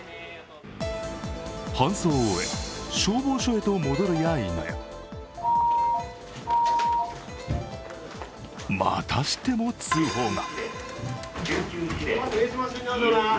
搬送を終え、消防署へと戻るやいなやまたしても通報が。